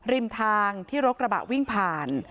ริมทางที่รถกระบะวิ่งผ่าน